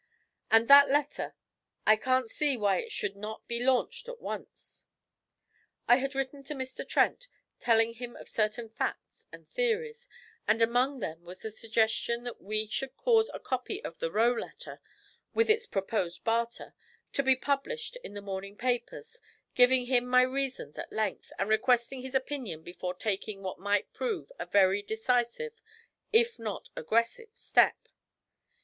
'And that letter? I can't see why it should not be launched at once.' I had written to Mr. Trent, telling him of certain facts and theories, and among them was the suggestion that we should cause a copy of the 'Roe' letter, with its proposed barter, to be published in the morning papers, giving him my reasons at length, and requesting his opinion before taking what might prove a very decisive if not aggressive step.